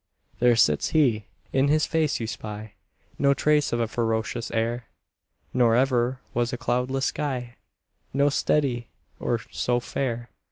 There sits he: in his face you spy No trace of a ferocious air, Nor ever was a cloudless sky So steady or so fair.